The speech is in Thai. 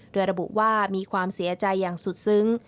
โดยระบุว่ามีความเสียใจอย่างสุดซึ้ง